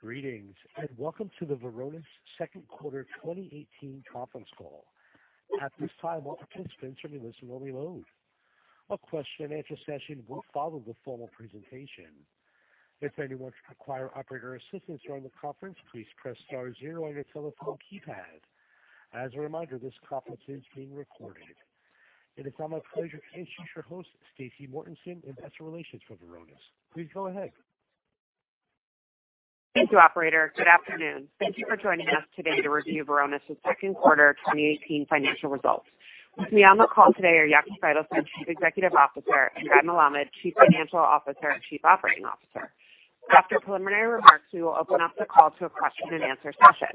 Greetings, welcome to the Varonis second quarter 2018 conference call. At this time, all participants are in listen-only mode. A question-and-answer session will follow the formal presentation. If anyone require operator assistance during the conference, please press star zero on your telephone keypad. As a reminder, this conference is being recorded. It is now my pleasure to introduce your host, Staci Mortenson, Investor Relations for Varonis. Please go ahead. Thank you, operator. Good afternoon. Thank you for joining us today to review Varonis' second quarter 2018 financial results. With me on the call today are Yaki Faitelson, Chief Executive Officer, and Guy Melamed, Chief Financial Officer and Chief Operating Officer. After preliminary remarks, we will open up the call to a question-and-answer session.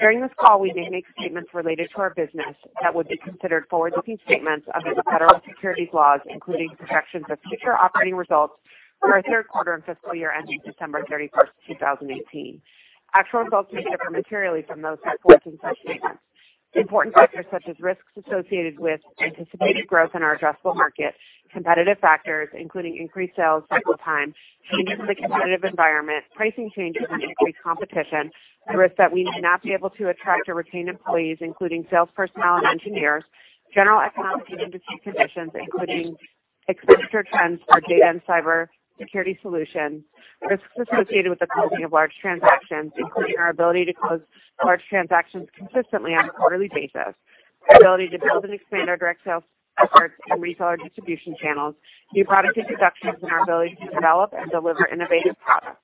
During this call, we may make statements related to our business that would be considered forward-looking statements under the federal securities laws, including projections of future operating results for our third quarter and fiscal year ending December 31st, 2018. Actual results may differ materially from those set forth in such statements. Important factors such as risks associated with anticipated growth in our addressable market, competitive factors, including increased sales cycle time, changes in the competitive environment, pricing changes and increased competition, the risk that we may not be able to attract or retain employees, including sales personnel and engineers, general economic and industry conditions, including expenditure trends for data and cyber security solutions, risks associated with the closing of large transactions, including our ability to close large transactions consistently on a quarterly basis, our ability to build and expand our direct sales efforts and reseller distribution channels, new product introductions and our ability to develop and deliver innovative products,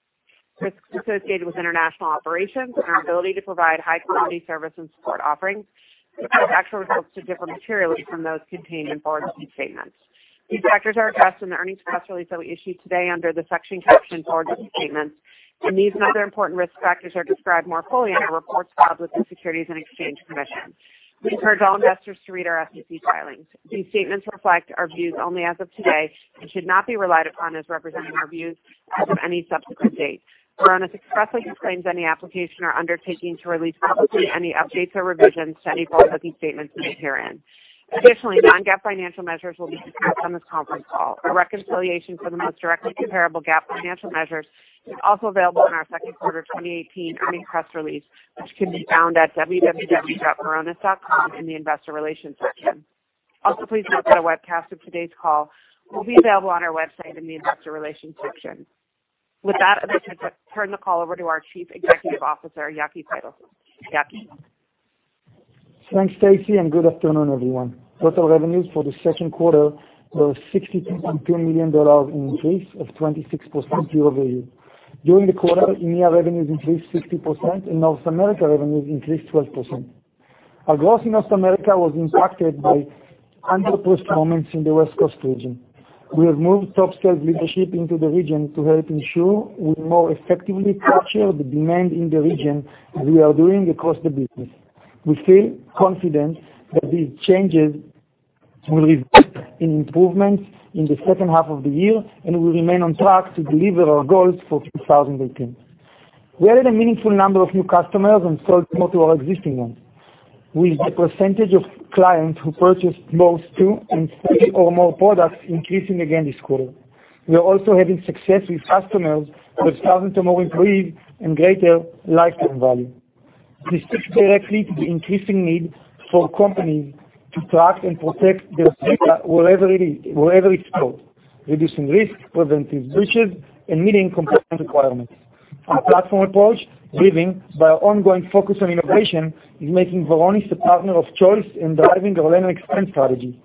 risks associated with international operations, and our ability to provide high-quality service and support offerings, could cause actual results to differ materially from those contained in forward-looking statements. These factors are addressed in the earnings press release that we issued today under the section captioned forward-looking statements. These and other important risk factors are described more fully in our reports filed with the Securities and Exchange Commission. We encourage all investors to read our SEC filings. These statements reflect our views only as of today and should not be relied upon as representing our views as of any subsequent date. Varonis expressly disclaims any application or undertaking to release publicly any updates or revisions to any forward-looking statements made herein. Additionally, non-GAAP financial measures will be discussed on this conference call. A reconciliation for the most directly comparable GAAP financial measures is also available in our second quarter 2018 earnings press release, which can be found at www.varonis.com in the investor relations section. Also, please note that a webcast of today's call will be available on our website in the investor relations section. With that, I'd like to turn the call over to our Chief Executive Officer, Yaki Faitelson. Yaki? Thanks, Stacy, and good afternoon, everyone. Total revenues for the second quarter were $62.2 million, an increase of 26% year-over-year. During the quarter, EMEA revenues increased 60%, and North America revenues increased 12%. Our growth in North America was impacted by underperformed moments in the West Coast region. We have moved top sales leadership into the region to help ensure we more effectively capture the demand in the region, as we are doing across the business. We feel confident that these changes will result in improvements in the second half of the year, and we remain on track to deliver our goals for 2018. We added a meaningful number of new customers and sold more to our existing ones, with the percentage of clients who purchased both two and three or more products increasing again this quarter. We are also having success with customers who have started to more increase in greater lifetime value. This speaks directly to the increasing need for companies to track and protect their data wherever it is, wherever it's stored, reducing risk, preventing breaches, and meeting compliance requirements. Our platform approach, driven by our ongoing focus on innovation, is making Varonis a partner of choice in driving our land and expand strategy.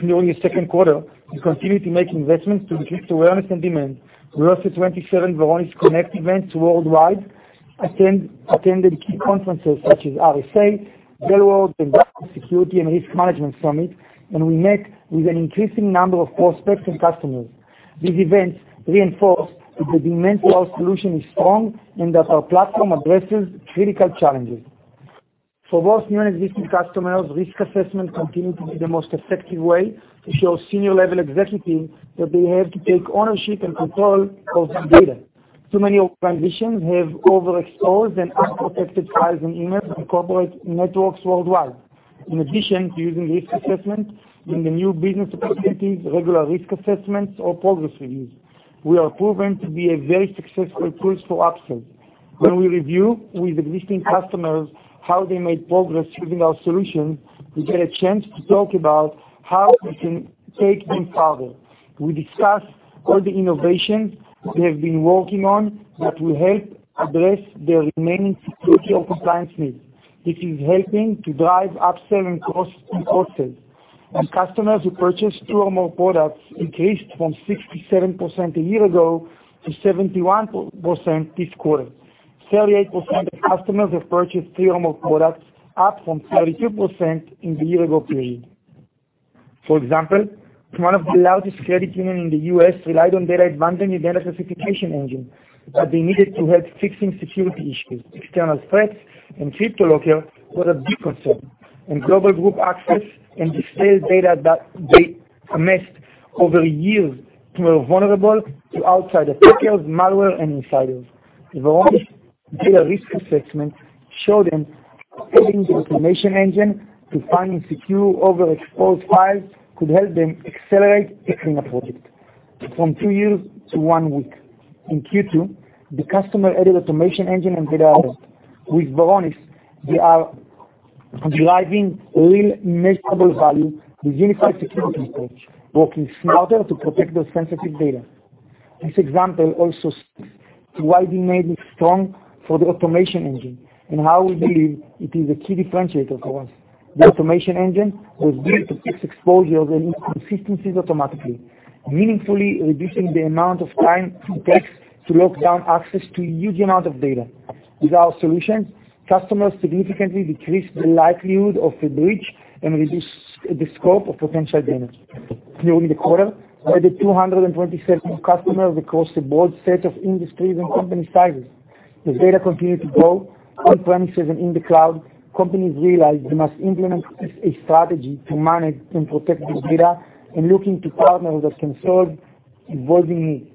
During the second quarter, we continued to make investments to increase awareness and demand. We hosted 27 Varonis Connect events worldwide, attended key conferences such as RSA, Dell World, and Gartner Security & Risk Management Summit, and we met with an increasing number of prospects and customers. These events reinforce that the demand for our solution is strong and that our platform addresses critical challenges. For both new and existing customers, risk assessment continued to be the most effective way to show senior-level executives that they have to take ownership and control of their data. Too many organizations have overexposed and unprotected files and emails on corporate networks worldwide. In addition to using risk assessment in the new business opportunities, regular risk assessments or progress reviews, we are proven to be a very successful tool for upsell. When we review with existing customers how they made progress using our solution, we get a chance to talk about how we can take them further. We discuss all the innovations we have been working on that will help address their remaining security or compliance needs, which is helping to drive upsell and cross-sell. Customers who purchase two or more products increased from 67% a year ago to 71% this quarter. 38% of customers have purchased three or more products, up from 32% in the year-ago period. For example, one of the largest credit unions in the U.S. relied on DatAdvantage and Data Classification Engine that they needed to help fixing security issues. External threats and CryptoLocker were a big concern, and global group access and stale data that they amassed over years were vulnerable to outsider attackers, malware, and insiders. Varonis Data Risk Assessment showed them Adding the Automation Engine to find and secure overexposed files could help them accelerate a cleanup project from two years to one week. In Q2, the customer added Automation Engine and DatAlert. With Varonis, they are driving real measurable value with unified security approach, working smarter to protect their sensitive data. This example also shows why we made it strong for the Automation Engine and how we believe it is a key differentiator for us. The Automation Engine was built to fix exposure and inconsistencies automatically, meaningfully reducing the amount of time it takes to lock down access to huge amount of data. With our solutions, customers significantly decrease the likelihood of a breach and reduce the scope of potential damage. During the quarter, we added 227 new customers across a broad set of industries and company sizes. As data continue to grow on-premises and in the cloud, companies realize they must implement a strategy to manage and protect this data, looking to partners that can solve evolving needs.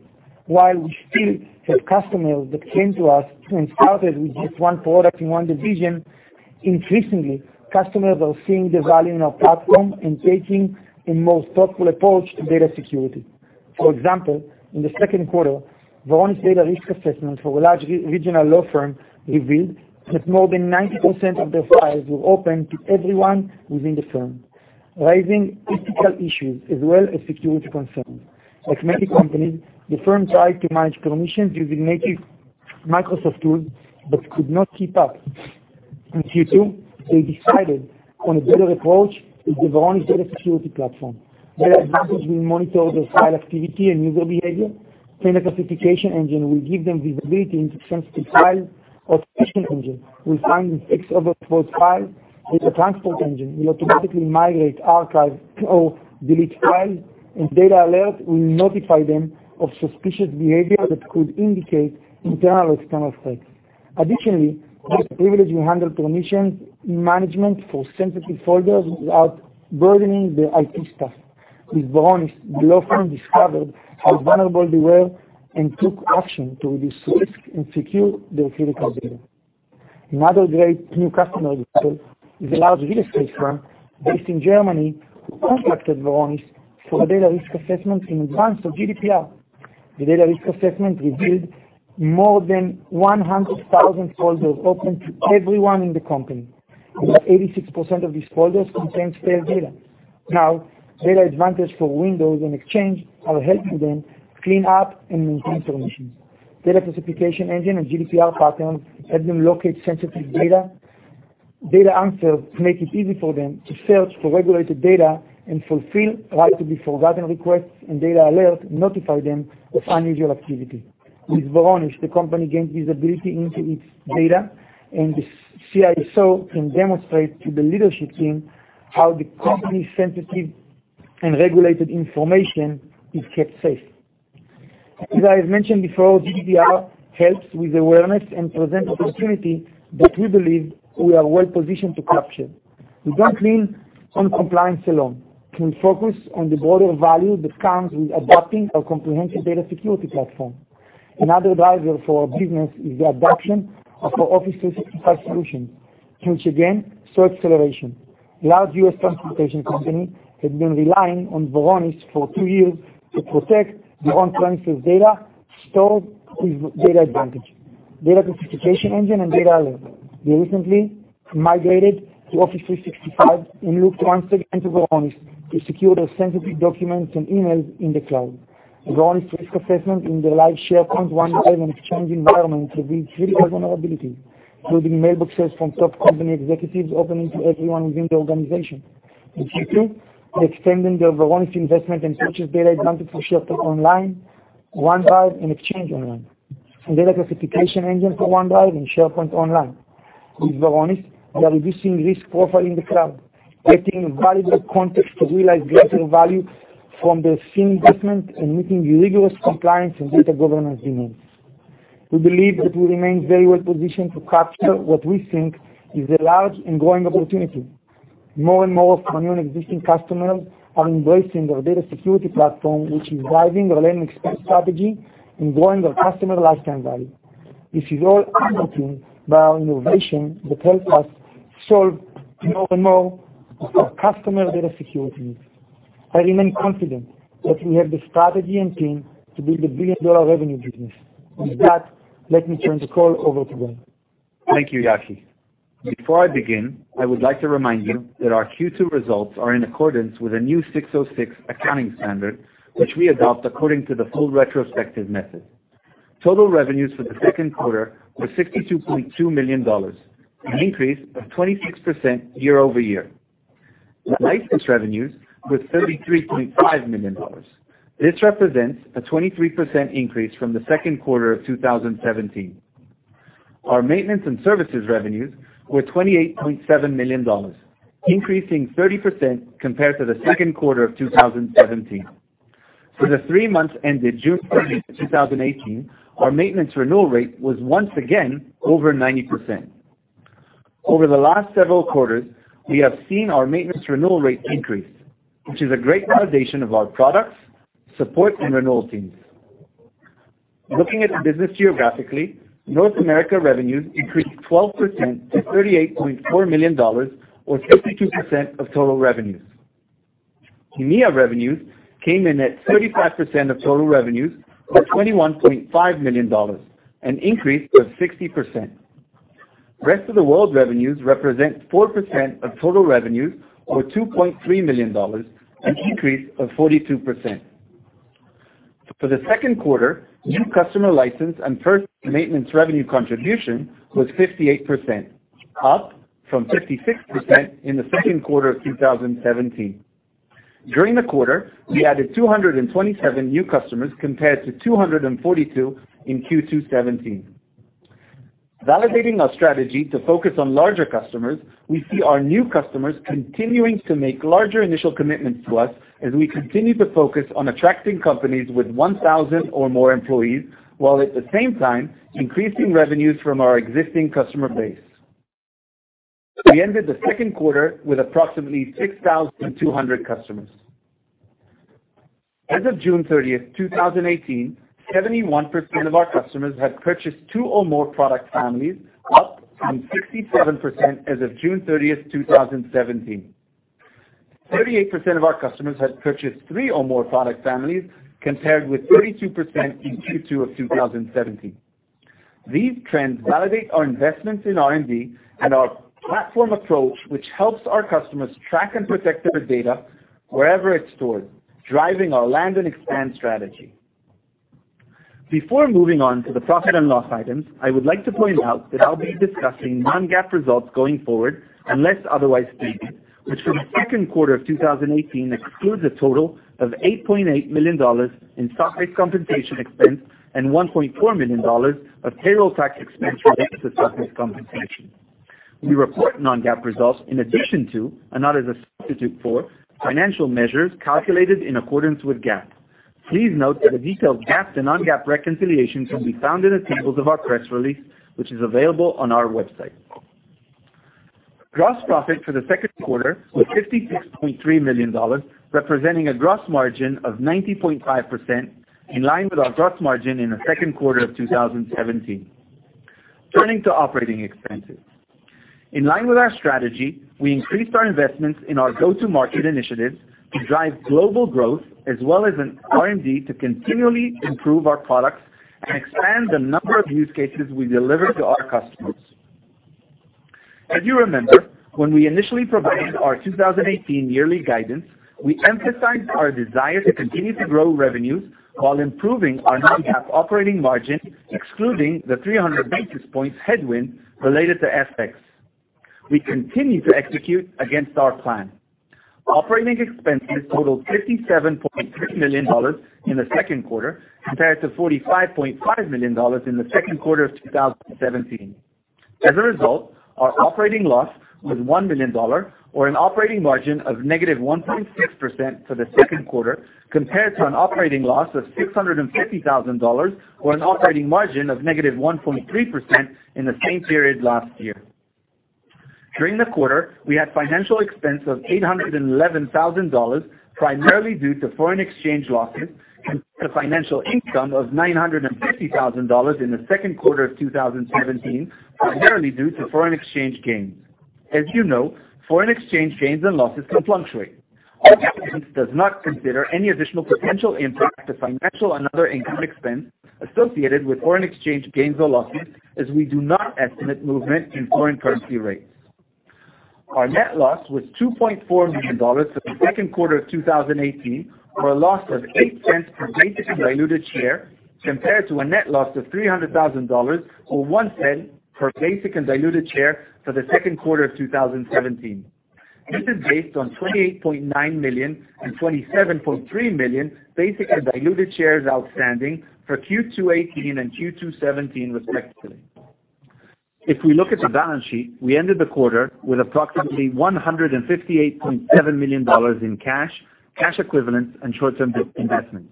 While we still have customers that came to us and started with just one product in one division, increasingly, customers are seeing the value in our platform and taking a more thoughtful approach to data security. For example, in the second quarter, Varonis' Data Risk Assessment for a large regional law firm revealed that more than 90% of their files were open to everyone within the firm, raising ethical issues as well as security concerns. Like many companies, the firm tried to manage permissions using native Microsoft tools but could not keep up. In Q2, they decided on a better approach with the Varonis Data Security Platform. DatAdvantage will monitor their file activity and user behavior. Data Classification Engine will give them visibility into sensitive files. Automation Engine will find and fix overexposed files. Data Transport Engine will automatically migrate, archive, or delete files. DatAlert will notify them of suspicious behavior that could indicate internal or external threats. Additionally, we'll handle privileged permission management for sensitive folders without burdening their IT staff. With Varonis, the law firm discovered how vulnerable they were and took action to reduce risk and secure their critical data. Another great new customer example is a large real estate firm based in Germany who contacted Varonis for a Data Risk Assessment in advance of GDPR. The Data Risk Assessment revealed more than 100,000 folders open to everyone in the company, and that 86% of these folders contained stale data. Now, DatAdvantage for Windows and Exchange are helping them clean up and maintain permissions. Data Classification Engine and GDPR patterns help them locate sensitive data. DatAnswers make it easy for them to search for regulated data and fulfill Right to be forgotten requests. DatAlert notify them of unusual activity. With Varonis, the company gains visibility into its data, and the CISO can demonstrate to the leadership team how the company's sensitive and regulated information is kept safe. As I have mentioned before, GDPR helps with awareness and present opportunity that we believe we are well positioned to capture. We don't lean on compliance alone. We focus on the broader value that comes with adopting our comprehensive Varonis Data Security Platform. Another driver for our business is the adoption of our Office 365 solution, which again, saw acceleration. A large U.S. transportation company had been relying on Varonis for two years to protect their on-premises data stored with DatAdvantage, Data Classification Engine, and DatAlert. They recently migrated to Office 365 and looked once again to Varonis to secure their sensitive documents and emails in the cloud. A Varonis risk assessment in their live SharePoint Online and Exchange environment revealed critical vulnerabilities, including mailboxes from top company executives opening to everyone within the organization. In Q2, they extended their Varonis investment and purchased DatAdvantage for SharePoint Online, OneDrive, and Exchange Online, and Data Classification Engine for OneDrive and SharePoint Online. With Varonis, they are reducing risk profile in the cloud, getting valuable context to realize greater value from their existing investment, and meeting rigorous compliance and data governance demands. We believe that we remain very well positioned to capture what we think is a large and growing opportunity. More and more of our new and existing customers are embracing our Varonis Data Security Platform, which is driving our land and expand strategy and growing our customer lifetime value. This is all underpinned by our innovation that helps us solve more and more of our customer data security needs. I remain confident that we have the strategy and team to build a billion-dollar revenue business. With that, let me turn the call over to Guy. Thank you, Yaki. Before I begin, I would like to remind you that our Q2 results are in accordance with the new 606 accounting standard, which we adopt according to the full retrospective method. Total revenues for the second quarter were $62.2 million, an increase of 26% year-over-year. License revenues were $33.5 million. This represents a 23% increase from the second quarter of 2017. Our maintenance and services revenues were $28.7 million, increasing 30% compared to the second quarter of 2017. For the three months ended June 30th, 2018, our maintenance renewal rate was once again over 90%. Over the last several quarters, we have seen our maintenance renewal rate increase, which is a great validation of our products, support, and renewal teams. Looking at the business geographically, North America revenues increased 12% to $38.4 million, or 52% of total revenues. EMEA revenues came in at 35% of total revenues, or $21.5 million, an increase of 60%. Rest of the world revenues represent 4% of total revenues, or $2.3 million, an increase of 42%. For the second quarter, new customer license and first maintenance revenue contribution was 58%, up from 56% in the second quarter of 2017. During the quarter, we added 227 new customers, compared to 242 in Q2 2017. Validating our strategy to focus on larger customers, we see our new customers continuing to make larger initial commitments to us as we continue to focus on attracting companies with 1,000 or more employees, while at the same time increasing revenues from our existing customer base. We ended the second quarter with approximately 6,200 customers. As of June 30th, 2018, 71% of our customers had purchased two or more product families, up from 67% as of June 30th, 2017. 38% of our customers had purchased three or more product families, compared with 32% in Q2 of 2017. These trends validate our investments in R&D and our platform approach, which helps our customers track and protect their data wherever it's stored, driving our land and expand strategy. Before moving on to the profit and loss items, I would like to point out that I'll be discussing non-GAAP results going forward, unless otherwise stated, which for the second quarter of 2018 excludes a total of $8.8 million in stock-based compensation expense and $1.4 million of payroll tax expense related to stock-based compensation. We report non-GAAP results in addition to, and not as a substitute for, financial measures calculated in accordance with GAAP. Please note that a detailed GAAP and non-GAAP reconciliation can be found in the tables of our press release, which is available on our website. Gross profit for the second quarter was $56.3 million, representing a gross margin of 90.5%, in line with our gross margin in the second quarter of 2017. Turning to operating expenses. In line with our strategy, we increased our investments in our go-to-market initiatives to drive global growth as well as in R&D to continually improve our products and expand the number of use cases we deliver to our customers. As you remember, when we initially provided our 2018 yearly guidance, we emphasized our desire to continue to grow revenues while improving our non-GAAP operating margin, excluding the 300 basis points headwind related to FX. We continue to execute against our plan. Operating expenses totaled $57.3 million in the second quarter, compared to $45.5 million in the second quarter of 2017. As a result, our operating loss was $1 million, or an operating margin of -1.6% for the second quarter, compared to an operating loss of $650,000, or an operating margin of -1.3% in the same period last year. During the quarter, we had financial expense of $811,000, primarily due to foreign exchange losses, compared to financial income of $950,000 in the second quarter of 2017, primarily due to foreign exchange gains. As you know, foreign exchange gains and losses can fluctuate. Our guidance does not consider any additional potential impact to financial and other income expense associated with foreign exchange gains or losses, as we do not estimate movement in foreign currency rates. Our net loss was $2.4 million for the second quarter of 2018, or a loss of $0.08 per basic and diluted share, compared to a net loss of $300,000, or $0.01 per basic and diluted share for the second quarter of 2017. This is based on 28.9 million and 27.3 million basic and diluted shares outstanding for Q2 2018 and Q2 2017 respectively. If we look at the balance sheet, we ended the quarter with approximately $158.7 million in cash equivalents, and short-term investments.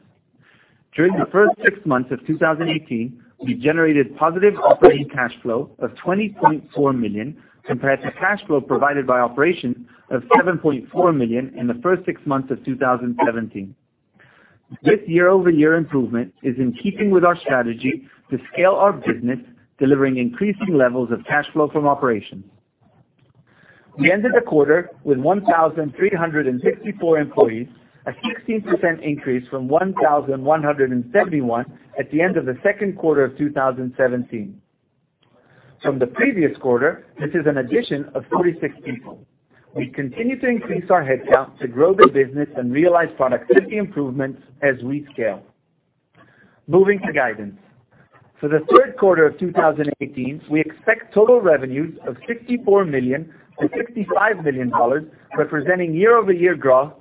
During the first six months of 2018, we generated positive operating cash flow of $20.4 million, compared to cash flow provided by operations of $7.4 million in the first six months of 2017. This year-over-year improvement is in keeping with our strategy to scale our business, delivering increasing levels of cash flow from operations. We ended the quarter with 1,364 employees, a 16% increase from 1,171 at the end of the second quarter of 2017. From the previous quarter, this is an addition of 46 people. We continue to increase our headcount to grow the business and realize productivity improvements as we scale. Moving to guidance. For the third quarter of 2018, we expect total revenues of $64 million to $65 million, representing year-over-year growth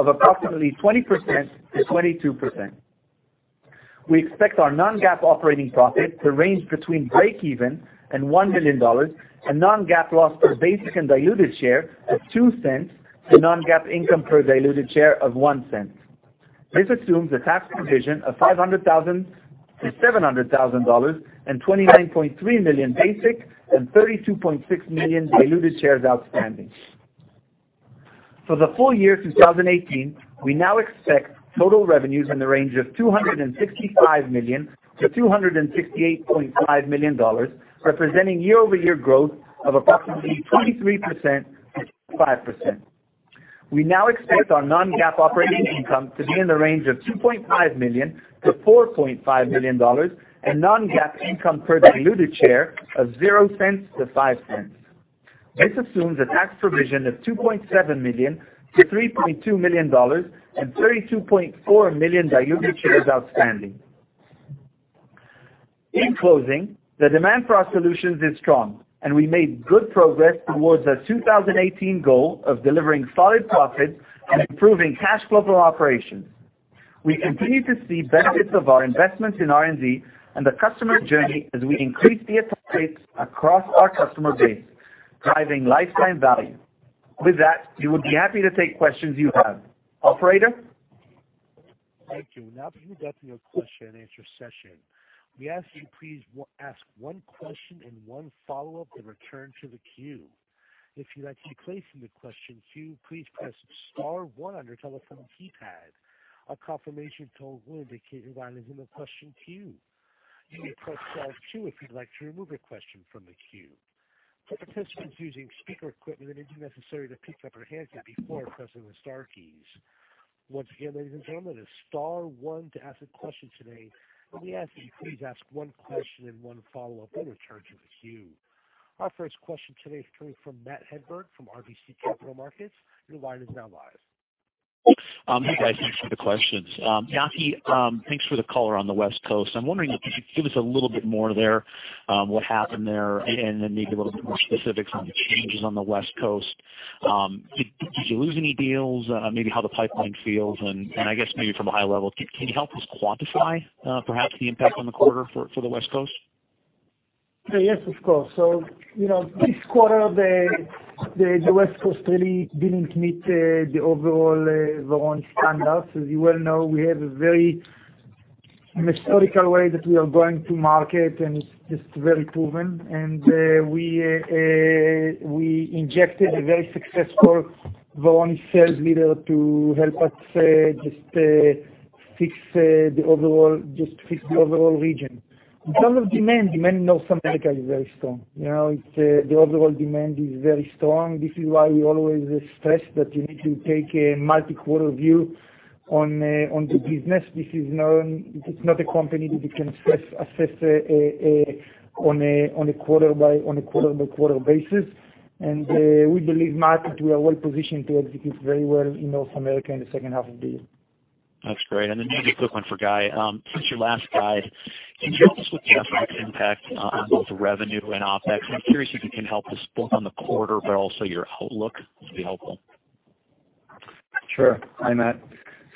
of approximately 20%-22%. We expect our non-GAAP operating profit to range between breakeven and $1 million, and non-GAAP loss per basic and diluted share of $0.02 to non-GAAP income per diluted share of $0.01. This assumes a tax provision of $500,000 to $700,000 and 29.3 million basic and 32.6 million diluted shares outstanding. For the full year 2018, we now expect total revenues in the range of $265 million to $268.5 million, representing year-over-year growth of approximately 23%-25%. We now expect our non-GAAP operating income to be in the range of $2.5 million to $4.5 million and non-GAAP income per diluted share of $0.00 to $0.05. This assumes a tax provision of $2.7 million to $3.2 million, and 32.4 million diluted shares outstanding. In closing, the demand for our solutions is strong, and we made good progress towards our 2018 goal of delivering solid profits and improving cash flow from operations. We continue to see benefits of our investments in R&D and the customer journey as we increase the estates across our customer base, driving lifetime value. With that, we would be happy to take questions you have. Operator? Thank you. We will go to your question and answer session. We ask you please ask one question and one follow-up, and return to the queue. If you would like to be placed in the question queue, please press *1 on your telephone keypad. A confirmation tone will indicate your line is in the question queue. You may press *2 if you would like to remove a question from the queue. For participants using speaker equipment, it is necessary to pick up your handset before pressing the star keys. Once again, ladies and gentlemen, it is *1 to ask a question today. We ask that you please ask one question and one follow-up, then return to the queue. Our first question today is coming from Matthew Hedberg from RBC Capital Markets. Your line is now live. Hi, guys. Thanks for the questions. Yaki, thanks for the color on the West Coast. I am wondering if you could give us a little bit more there, what happened there, and then maybe a little bit more specifics on the changes on the West Coast. Did you lose any deals? Maybe how the pipeline feels. I guess maybe from a high level, can you help us quantify perhaps the impact on the quarter for the West Coast? Yes, of course. This quarter, the West Coast really did not meet the overall Varonis standards. As you well know, we have a very methodical way that we are going to market, and it is very proven. We injected a very successful Varonis sales leader to help us just fix the overall region. In terms of demand in North America is very strong. The overall demand is very strong. This is why we always stress that you need to take a multi-quarter view on the business. This is not a company that you can assess on a quarter by quarter basis. We believe market, we are well positioned to execute very well in North America in the second half of the year. That is great. Then maybe a quick one for Guy. Since your last guide, can you help us with the FX impact on both revenue and OpEx? I am curious if you can help us both on the quarter, but also your outlook would be helpful. Sure. Hi, Matt.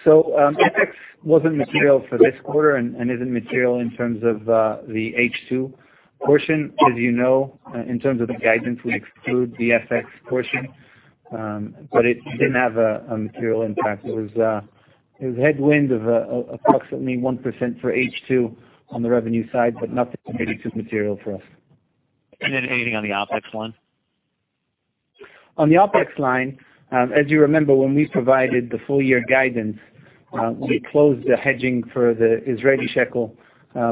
FX wasn't material for this quarter and isn't material in terms of the H2 portion. As you know, in terms of the guidance, we exclude the FX portion, it didn't have a material impact. It was a headwind of approximately 1% for H2 on the revenue side, nothing really too material for us. Anything on the OpEx line? On the OpEx line, as you remember, when we provided the full-year guidance, we closed the hedging for the Israeli shekel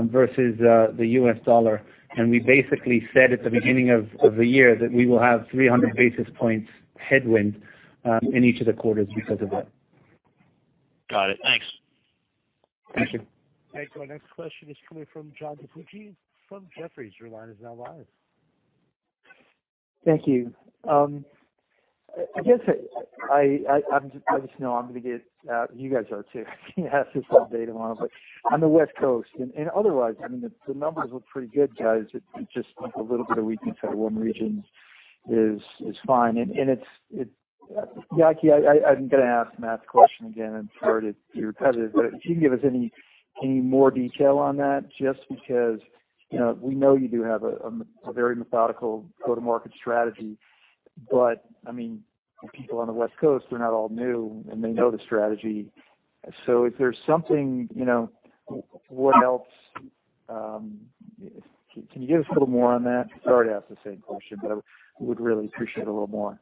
versus the US dollar. We basically said at the beginning of the year that we will have 300 basis points headwind in each of the quarters because of that. Got it. Thanks. Thank you. Thank you. Our next question is coming from John DiFucci from Jefferies. Your line is now live. Thank you. I guess, I just know I'm going to get You guys are too. You have this update tomorrow, but on the West Coast. Otherwise, I mean, the numbers look pretty good, guys. Just like a little bit of weakness out of one region is fine. Yaki, I'm going to ask Matt's question again. I'm sorry to be repetitive, but if you can give us any more detail on that, just because, we know you do have a very methodical go-to-market strategy, but I mean, the people on the West Coast, they're not all new, and they know the strategy. If there's something, what else Can you give us a little more on that? Sorry to ask the same question, but I would really appreciate a little more.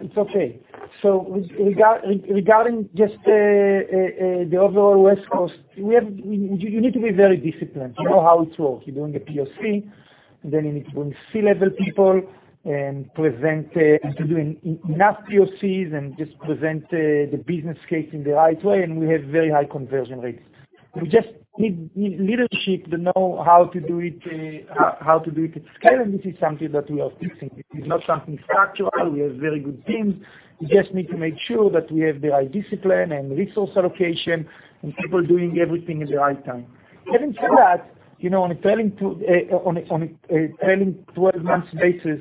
It's okay. Regarding just the overall West Coast, you need to be very disciplined. You know how it works. You're doing a POC, then you need to bring C-level people and present. If you're doing enough POCs and just present the business case in the right way, We have very high conversion rates. We just need leadership to know how to do it at scale, This is something that we are fixing. It is not something structural. We have very good teams. We just need to make sure that we have the right discipline and resource allocation, People doing everything at the right time. Having said that, on a trailing 12 months basis,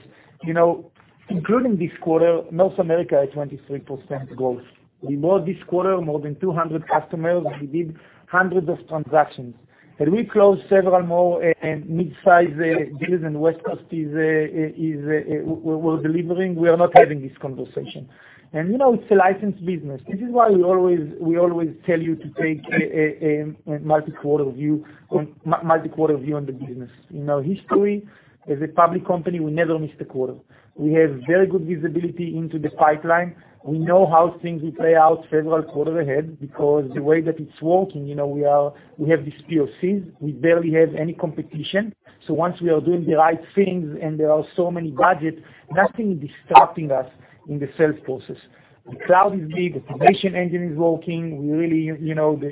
including this quarter, North America is 23% growth. We bought this quarter more than 200 customers, and we did hundreds of transactions. Had we closed several more mid-size deals than West Coast is we're delivering, we are not having this conversation. It's a licensed business. This is why we always tell you to take a multi-quarter view on the business. History, as a public company, we never miss the quarter. We have very good visibility into the pipeline. We know how things will play out several quarters ahead because the way that it's working, we have these POCs. We barely have any competition. Once we are doing the right things and there are so many budgets, nothing is distracting us in the sales process. The cloud is big, the Automation Engine is working,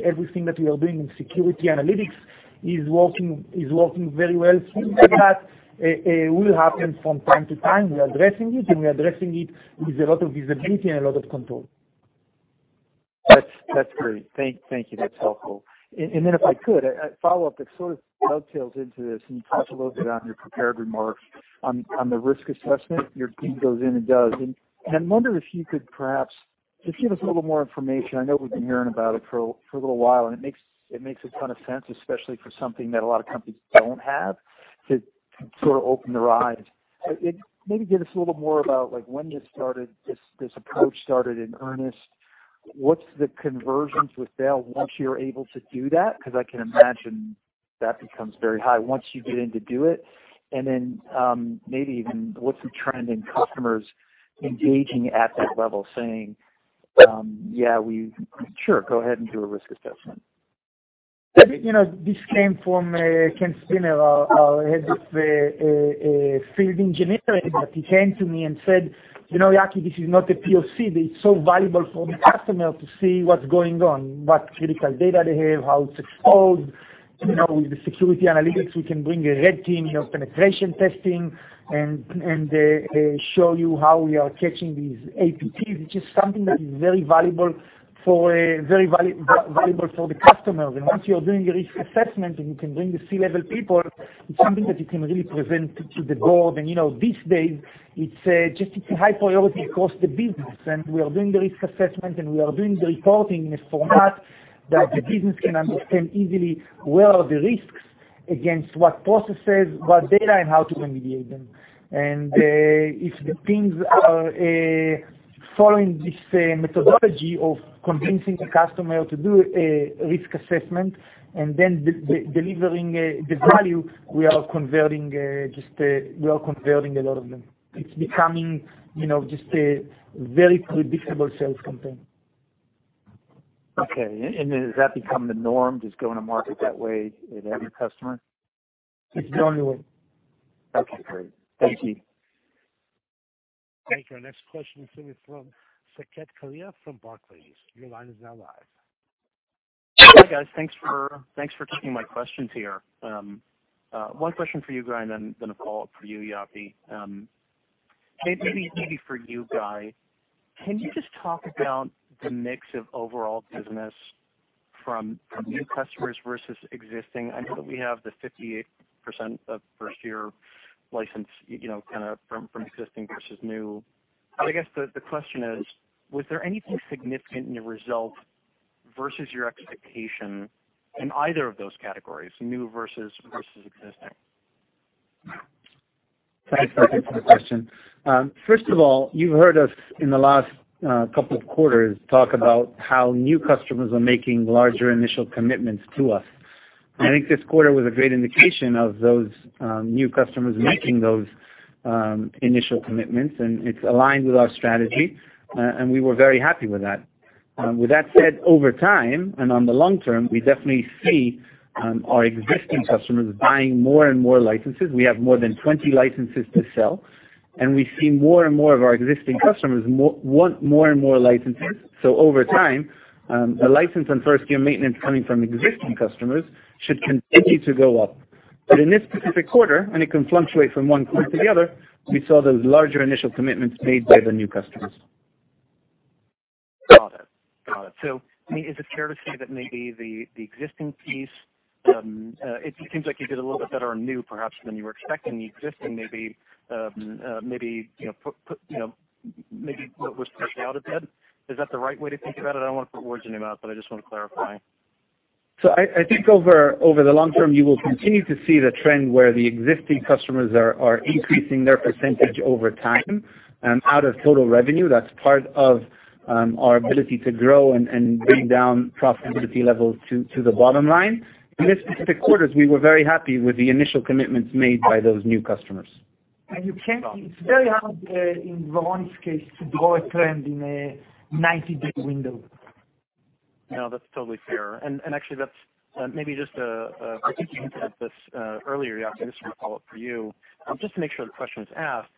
everything that we are doing in security analytics is working very well. That will happen from time to time. We are addressing it, we are addressing it with a lot of visibility and a lot of control. That's great. Thank you. That's helpful. If I could, a follow-up that sort of dovetails into this, and you touched a little bit on your prepared remarks on the risk assessment your team goes in and does, and I wonder if you could perhaps just give us a little more information. I know we've been hearing about it for a little while, and it makes a ton of sense, especially for something that a lot of companies don't have, to sort of open their eyes. Maybe give us a little more about when this approach started in earnest. What's the conversions with sale once you're able to do that? Because I can imagine that becomes very high once you get in to do it. Maybe even what's the trend in customers engaging at that level saying, "Yeah, sure, go ahead and do a risk assessment. This came from Ken Spinner, our head of field engineering, that he came to me and said, "You know, Yaki, this is not a POC, but it's so valuable for the customer to see what's going on, what critical data they have, how it's exposed. With the security analytics, we can bring a red team, penetration testing, and show you how we are catching these APTs," which is something that is very valuable for the customers. Once you're doing a risk assessment, and you can bring the C-level people, it's something that you can really present to the board. These days, it's just high priority across the business. We are doing the risk assessment, and we are doing the reporting in a format that the business can understand easily where are the risks against what processes, what data, and how to remediate them. If the teams are following this methodology of convincing the customer to do a risk assessment and then delivering the value, we are converting a lot of them. It's becoming just a very predictable sales campaign. Okay. Has that become the norm, just going to market that way with every customer? It's the only way. Okay, great. Thank you. Thank you. Our next question is coming from Saket Kalia from Barclays. Your line is now live. Hi, guys. Thanks for taking my questions here. One question for you, Guy, and then a follow-up for you, Yaki. Maybe for you, Guy. Can you just talk about the mix of overall business from new customers versus existing? I know that we have the 58% of first-year license, kind of from existing versus new. I guess the question is, was there anything significant in your results versus your expectation in either of those categories, new versus existing? Saket, thank you for the question. First of all, you've heard us in the last couple of quarters talk about how new customers are making larger initial commitments to us. I think this quarter was a great indication of those new customers making those initial commitments, and it's aligned with our strategy, and we were very happy with that. With that said, over time and on the long term, we definitely see our existing customers buying more and more licenses. We have more than 20 licenses to sell, and we see more and more of our existing customers want more and more licenses. Over time, a license and first-year maintenance coming from existing customers should continue to go up. In this specific quarter, and it can fluctuate from one quarter to the other, we saw those larger initial commitments made by the new customers. Got it. Is it fair to say that maybe the existing piece, it seems like you did a little bit better on new, perhaps, than you were expecting. The existing, maybe was pushed out a bit. Is that the right way to think about it? I don't want to put words in your mouth, but I just want to clarify. I think over the long term, you will continue to see the trend where the existing customers are increasing their percentage over time out of total revenue. That's part of our ability to grow and bring down profitability levels to the bottom line. In this specific quarters, we were very happy with the initial commitments made by those new customers. It's very hard, in Varonis case, to draw a trend in a 90-day window. No, that's totally fair. Actually, that's maybe just, I think you hinted at this earlier, Yaki, this is a follow-up for you. Just to make sure the question is asked,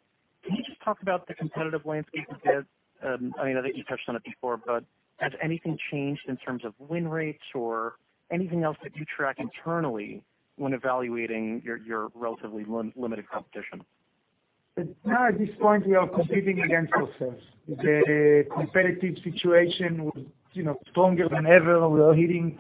can you just talk about the competitive landscape a bit? I know that you touched on it before, but has anything changed in terms of win rates or anything else that you track internally when evaluating your relatively limited competition? Not at this point. We are competing against ourselves. The competitive situation was stronger than ever. We are hitting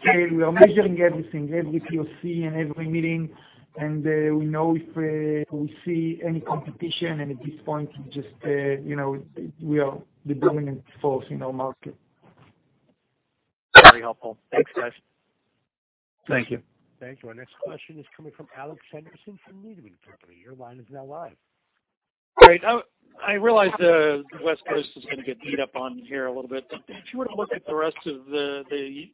scale. We are measuring everything, every POC and every meeting, and we know if we see any competition, and at this point, we are the dominant force in our market. Very helpful. Thanks, guys. Thank you. Thank you. Our next question is coming from Alex Henderson from Needham & Company. Your line is now live. Great. I realize the West Coast is going to get beat up on here a little bit, but if you were to look at the rest of the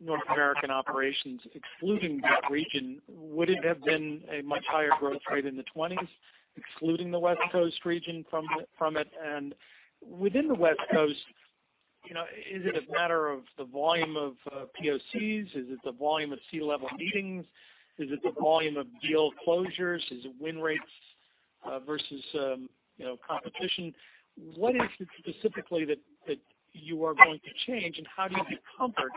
North American operations, excluding that region, would it have been a much higher growth rate in the 20s, excluding the West Coast region from it? Within the West Coast, is it a matter of the volume of POCs? Is it the volume of C-level meetings? Is it the volume of deal closures? Is it win rates versus competition? What is it specifically that you are going to change, and how do you get comfort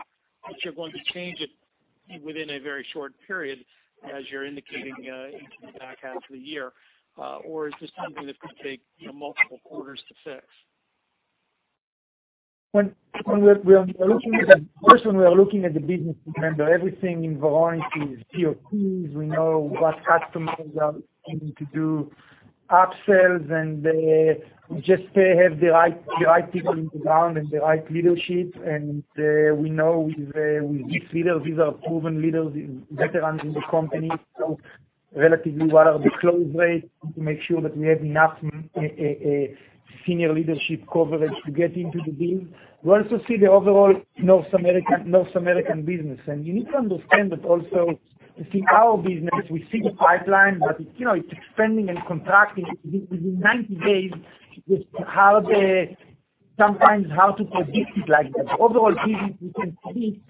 that you're going to change it within a very short period, as you're indicating into the back half of the year? Or is this something that could take multiple quarters to fix? First, when we are looking at the business, remember, everything in Varonis is POCs. We know what customers are looking to do, upsells, and we just have the right people on the ground and the right leadership. We know with these leaders, these are proven leaders, veterans in the company. Relatively, what are the close rates to make sure that we have enough senior leadership coverage to get into the deal. We also see the overall North American business, you need to understand that also, we see our business, we see the pipeline, but it's expanding and contracting. In 90 days, sometimes how to predict it like that. Overall business, we can see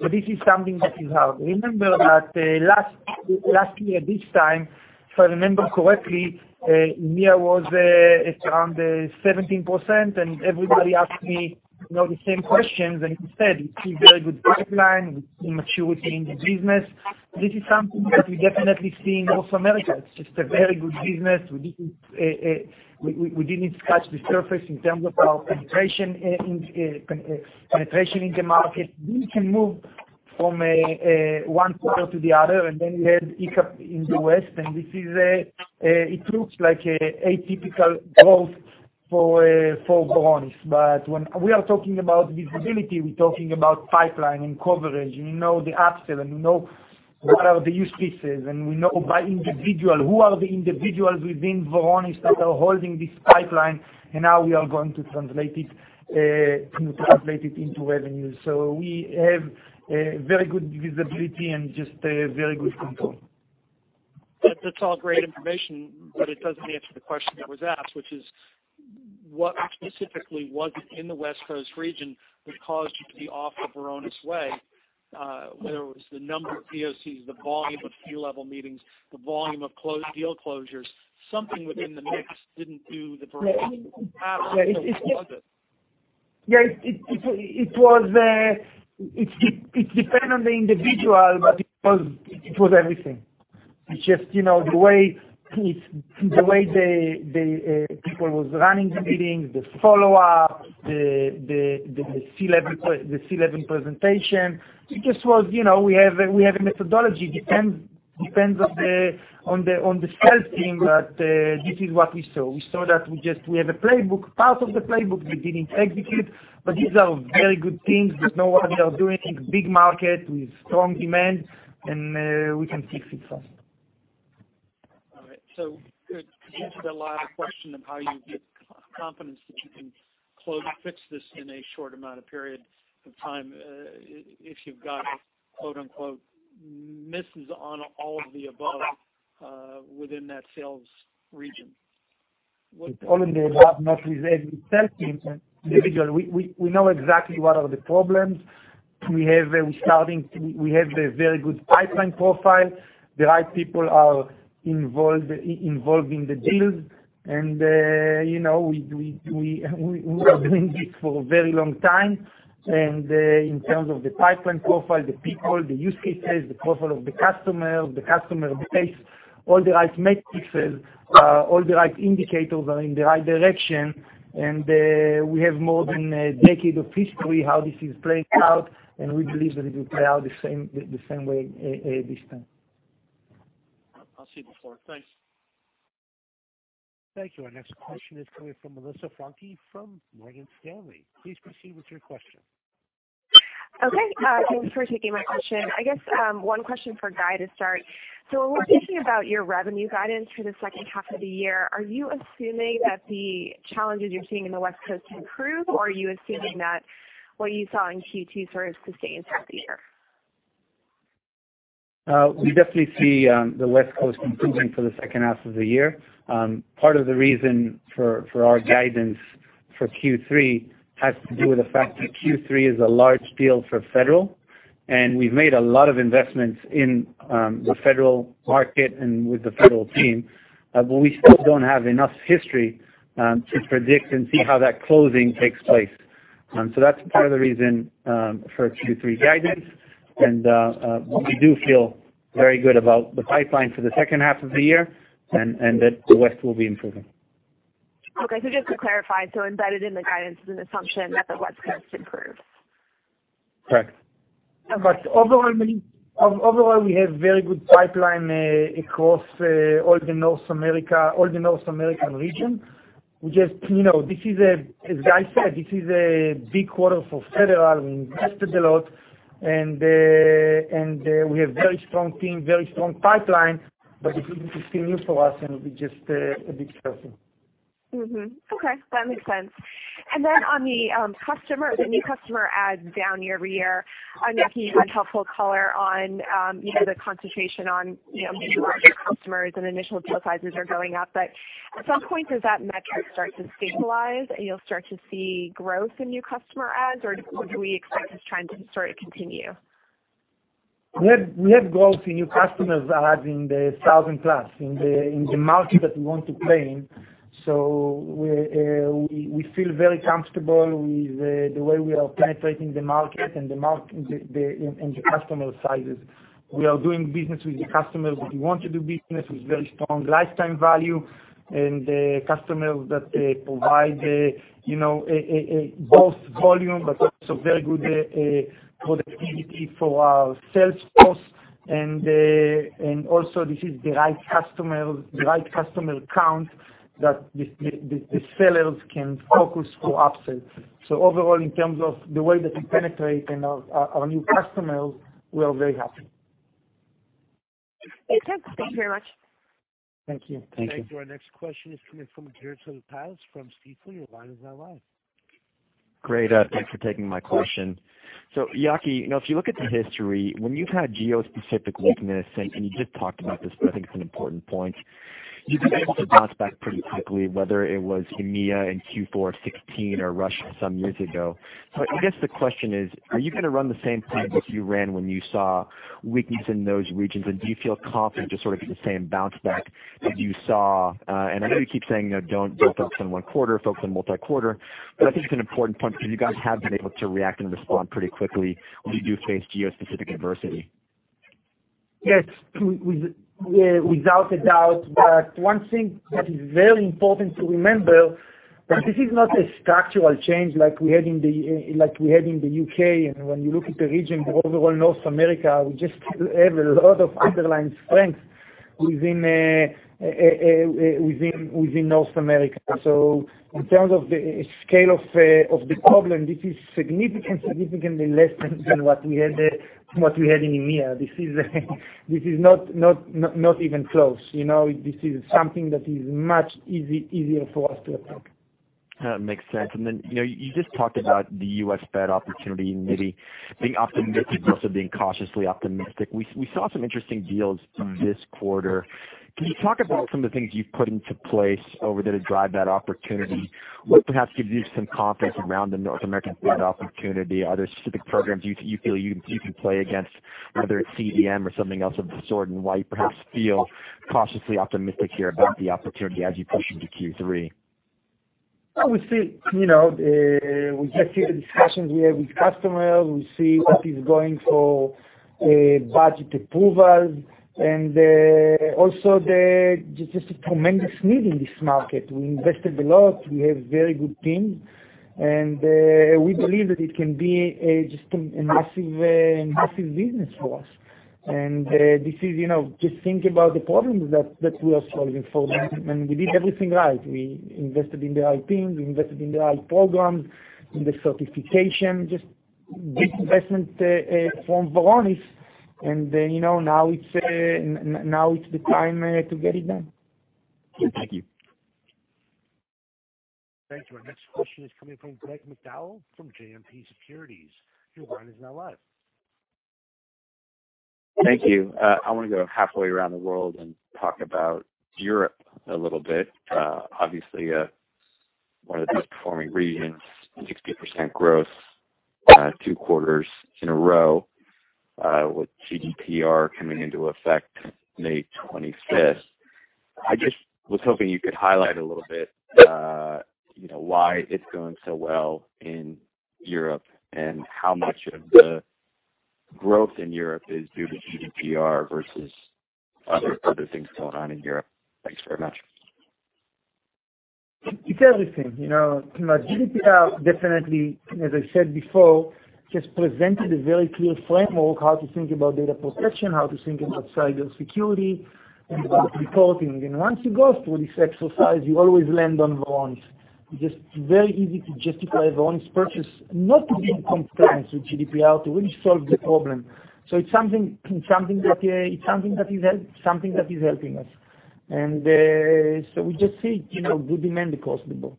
that this is something that is hard. Remember that last year at this time, if I remember correctly, EMEA was around 17%, everybody asked me the same questions, instead, we see very good pipeline, we see maturity in the business. This is something that we're definitely see in North America. It's just a very good business. We didn't scratch the surface in terms of our penetration in the market. We can move from one quarter to the other, we had ICAP in the West, it looks like a typical growth for Varonis. When we are talking about visibility, we're talking about pipeline and coverage. We know the upsell, we know what are the use cases, we know by individual who are the individuals within Varonis that are holding this pipeline, how we are going to translate it into revenue. We have very good visibility and just very good control. That's all great information, it doesn't answer the question that was asked, which is, what specifically was it in the West Coast region that caused you to be off the Varonis way? Whether it was the number of POCs, the volume of C-level meetings, the volume of deal closures, something within the mix didn't do the Varonis. What was it? Yeah. It depend on the individual, but it was everything. It's just the way the people was running the meetings, the follow-up, the C-level presentation. We have a methodology. This is what we saw. We saw that we have a playbook, part of the playbook we didn't execute, but these are very good teams. We know what we are doing. It's big market with strong demand. We can fix it fast. All right. It seems to be the last question of how you get confidence that you can fix this in a short amount of period of time, if you've got "misses on all of the above" within that sales region. It's only that not with every sales team individual. We know exactly what are the problems. We have the very good pipeline profile. The right people are involved in the deals. We were doing this for a very long time. In terms of the pipeline profile, the people, the use cases, the profile of the customer, the customer base, all the right metrics, all the right indicators are in the right direction. We have more than a decade of history, how this is playing out, and we believe that it will play out the same way this time. I'll cede the floor. Thanks. Thank you. Our next question is coming from Melissa Franchi from Morgan Stanley. Please proceed with your question. Okay. Thanks for taking my question. I guess one question for Guy to start. When we're thinking about your revenue guidance for the second half of the year, are you assuming that the challenges you're seeing in the West Coast improve, or are you assuming that what you saw in Q2 sort of sustains through the year? We definitely see the West Coast improving for the second half of the year. Part of the reason for our guidance for Q3 has to do with the fact that Q3 is a large deal for federal. We've made a lot of investments in the federal market and with the federal team, we still don't have enough history to predict and see how that closing takes place. That's part of the reason for Q3 guidance. We do feel very good about the pipeline for the second half of the year, and that the West will be improving. Okay, just to clarify, so embedded in the guidance is an assumption that the West Coast improves. Correct. Overall, we have very good pipeline across all the North American region. As Guy said, this is a big quarter for Federal. We invested a lot, and we have very strong team, very strong pipeline, but it's still new for us, and it'll be just a bit stressful. Mm-hmm. Okay. That makes sense. Then on the new customer adds down year-over-year, I know you had helpful color on the concentration on maybe larger customers and initial deal sizes are going up. At some point, does that metric start to stabilize and you'll start to see growth in new customer adds, or do we expect this trend to sort of continue? We have growth in new customers adds in the 1,000-plus in the market that we want to play in. We feel very comfortable with the way we are penetrating the market and the customer sizes. We are doing business with the customers that we want to do business, with very strong lifetime value, and customers that provide both volume but also very good productivity for our sales force. Also this is the right customer count that the sellers can focus for upsells. Overall, in terms of the way that we penetrate and our new customers, we are very happy. Makes sense. Thank you very much. Thank you. Thank you. Our next question is coming from Jared Terzis from Stifel. Your line is now live. Great. Thanks for taking my question. Yaki, if you look at the history, when you've had geo-specific weakness, and you just talked about this, but I think it's an important point, you've been able to bounce back pretty quickly, whether it was EMEA in Q4 of 2016 or Russia some years ago. I guess the question is, are you going to run the same playbook you ran when you saw weakness in those regions, and do you feel confident just sort of the same bounce back that you saw? I know you keep saying, don't focus on one quarter, focus on multi-quarter, but I think it's an important point because you guys have been able to react and respond pretty quickly when you do face geo-specific adversity. Yes. Without a doubt. One thing that is very important to remember that this is not a structural change like we had in the U.K., and when you look at the region overall North America, we just have a lot of underlying strength within North America. In terms of the scale of the problem, this is significantly less than what we had in EMEA. This is not even close. This is something that is much easier for us to attack. That makes sense. Then, you just talked about the U.S. Fed opportunity and maybe being optimistic, also being cautiously optimistic. We saw some interesting deals this quarter. Can you talk about some of the things you've put into place over there to drive that opportunity? What perhaps gives you some confidence around the North American Fed opportunity? Are there specific programs you feel you can play against, whether it's CDM or something else of the sort, and why you perhaps feel cautiously optimistic here about the opportunity as you push into Q3? We just see the discussions we have with customers. We see what is going for budget approvals, also just a tremendous need in this market. We invested a lot. We have very good teams, we believe that it can be just a massive business for us. Just think about the problems that we are solving for them, we did everything right. We invested in the right team, we invested in the right program, in the certification, just big investment from Varonis. Now it's the time to get it done. Thank you. Thank you. Our next question is coming from Greg McDowell from JMP Securities. Your line is now live. Thank you. I want to go halfway around the world and talk about Europe a little bit. Obviously, one of the best-performing regions, 60% growth two quarters in a row, with GDPR coming into effect May 25th. I just was hoping you could highlight a little bit why it's going so well in Europe and how much of the growth in Europe is due to GDPR versus other things going on in Europe. Thanks very much. It's everything. GDPR definitely, as I said before, just presented a very clear framework how to think about data protection, how to think about cyber security and about reporting. Once you go through this exercise, you always land on Varonis. It's just very easy to justify Varonis purchase, not to be in compliance with GDPR, to really solve the problem. It's something that is helping us. We just see good demand across the board.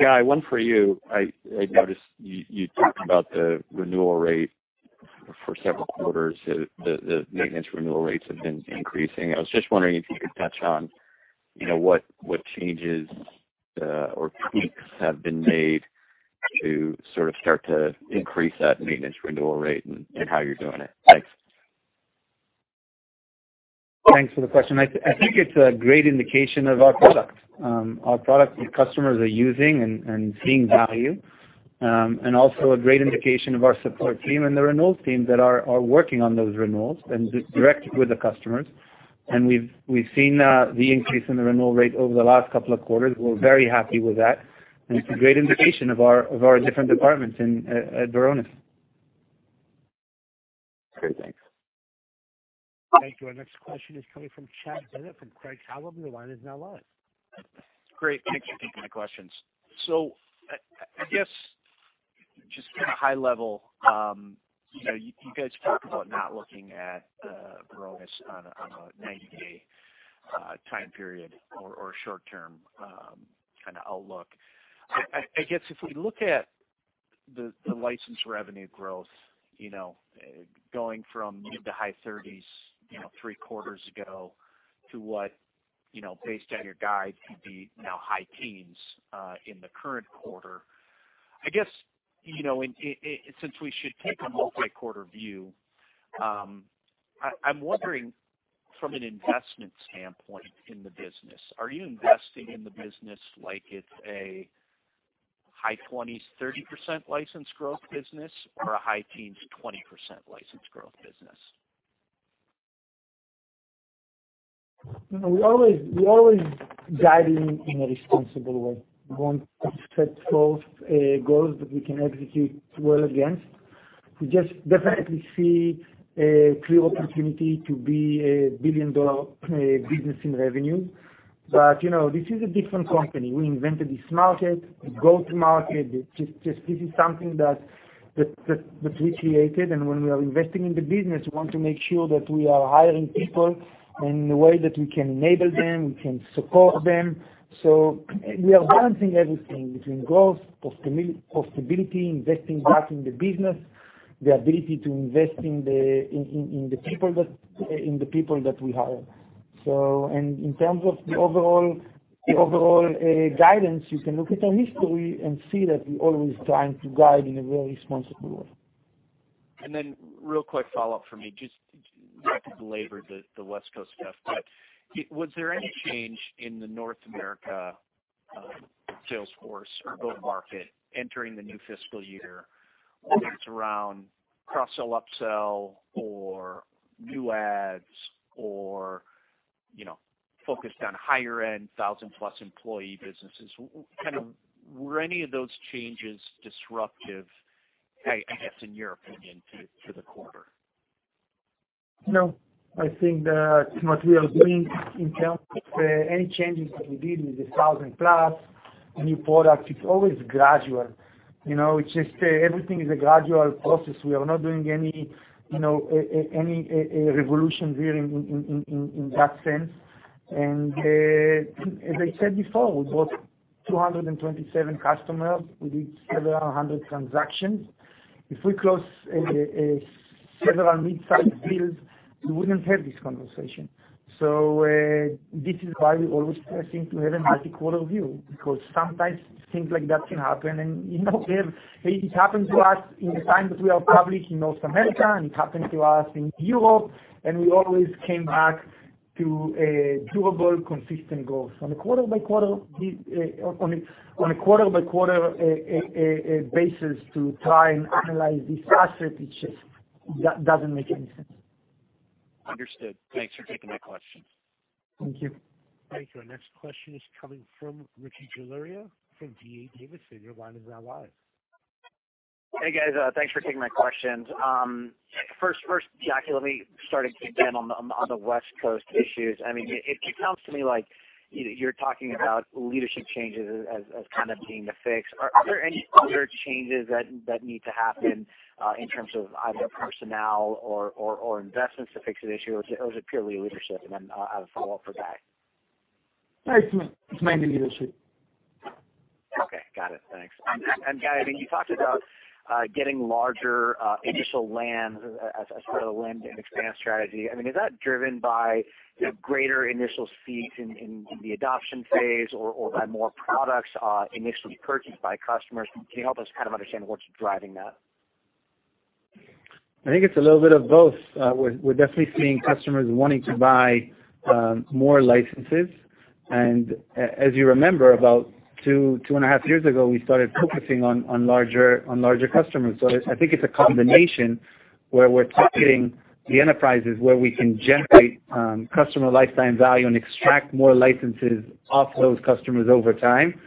Guy, one for you. I noticed you talked about the renewal rate for several quarters. The maintenance renewal rates have been increasing. I was just wondering if you could touch on what changes or tweaks have been made to start to increase that maintenance renewal rate and how you're doing it. Thanks. Thanks for the question. I think it's a great indication of our product. Our product that customers are using and seeing value, and also a great indication of our support team and the renewals team that are working on those renewals and direct with the customers. We've seen the increase in the renewal rate over the last couple of quarters. We're very happy with that, and it's a great indication of our different departments at Varonis. Thanks. Thank you. Our next question is coming from Chad Bennett from Craig-Hallum. Your line is now live. Great. Thanks for taking the questions. I guess just kind of high level, you guys talk about not looking at Varonis on a 90-day time period or short-term kind of outlook. I guess if we look at the license revenue growth, going from mid-to-high 30s, three quarters ago to what, based on your guide could be now high teens in the current quarter. I guess, since we should take a multi-quarter view, I'm wondering from an investment standpoint in the business, are you investing in the business like it's a high 20s, 30% license growth business or a high teens, 20% license growth business? We always guide in a responsible way. We want to set forth goals that we can execute well against. We just definitely see a clear opportunity to be a billion-dollar business in revenue. This is a different company. We invented this market, we go to market. This is something that we created, and when we are investing in the business, we want to make sure that we are hiring people in a way that we can enable them, we can support them. We are balancing everything between growth, profitability, investing back in the business, the ability to invest in the people that we hire. In terms of the overall guidance, you can look at our history and see that we're always trying to guide in a very responsible way. Then real quick follow-up for me, just not to belabor the West Coast stuff, was there any change in the North America, Salesforce or go-to-market entering the new fiscal year, whether it's around cross-sell, up-sell or new ads or focused on higher-end 1,000-plus employee businesses, kind of were any of those changes disruptive, I guess, in your opinion, to the quarter? I think that what we are doing in terms of any changes that we did with the 1,000-plus new products, it's always gradual. It's just everything is a gradual process. We are not doing any revolution here in that sense. As I said before, we brought 227 customers. We did several hundred transactions. If we close several mid-sized deals, we wouldn't have this conversation. This is why we're always pressing to have a multi-quarter view, because sometimes things like that can happen. It happened to us in the time that we are public in North America, and it happened to us in Europe, and we always came back to doable, consistent goals. On a quarter by quarter basis to try and analyze this asset, it just doesn't make any sense. Understood. Thanks for taking my question. Thank you. Thank you. Our next question is coming from Rishi Jaluria from D.A. Davidson. Your line is now live. Hey, guys. Thanks for taking my questions. First, Yaki, let me start again on the West Coast issues. It sounds to me like you're talking about leadership changes as kind of being the fix. Are there any other changes that need to happen, in terms of either personnel or investments to fix this issue? Or is it purely leadership? I have a follow-up for Guy. It's mainly leadership. Okay, got it. Thanks. Guy, you talked about getting larger initial land as part of the land and expand strategy. Is that driven by greater initial seats in the adoption phase or by more products initially purchased by customers? Can you help us kind of understand what's driving that? I think it's a little bit of both. We're definitely seeing customers wanting to buy more licenses. As you remember, about two and a half years ago, we started focusing on larger customers. I think it's a combination where we're targeting the enterprises where we can generate customer lifetime value and extract more licenses off those customers over time.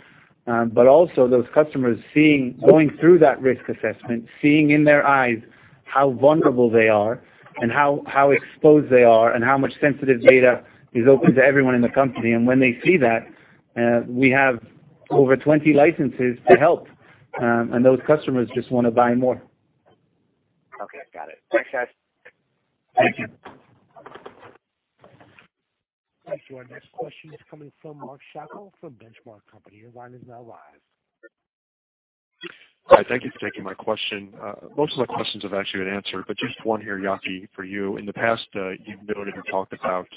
Also those customers going through that risk assessment, seeing in their eyes how vulnerable they are and how exposed they are and how much sensitive data is open to everyone in the company. When they see that, we have over 20 licenses to help, and those customers just want to buy more. Okay, got it. Thanks, guys. Thank you. Thank you. Our next question is coming from Mark Schappel from Benchmark Company. Your line is now live. Hi, thank you for taking my question. Most of my questions have actually been answered, but just one here, Yaki, for you. In the past, you've noted or talked about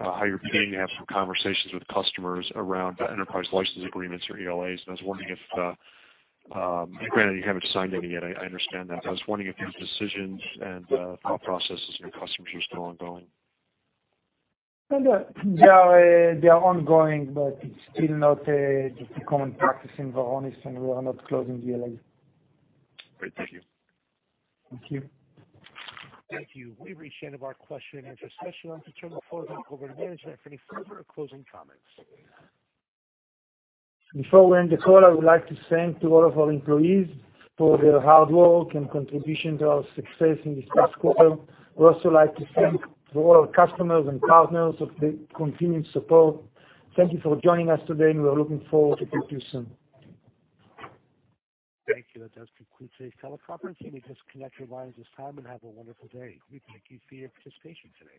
how you're beginning to have some conversations with customers around Enterprise License Agreement or ELAs, and I was wondering if, granted you haven't signed any yet, I understand that, but I was wondering if those decisions and thought processes with customers are still ongoing. They are ongoing, but it's still not just a common practice in Varonis, and we are not closing the ELAs. Great. Thank you. Thank you. Thank you. We've reached the end of our question and answer session. I'll now turn the call over to management for any further or closing comments. Before we end the call, I would like to thank all of our employees for their hard work and contribution to our success in this past quarter. We'd also like to thank to all our customers and partners of the continued support. Thank you for joining us today. We are looking forward to talk to you soon. Thank you. That does conclude today's teleconference. You may disconnect your lines at this time. Have a wonderful day. We thank you for your participation today.